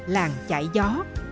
làng chạy gió